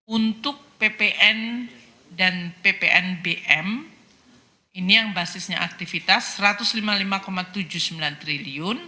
untuk ppn dan ppnbm ini yang basisnya aktivitas rp satu ratus lima puluh lima tujuh puluh sembilan triliun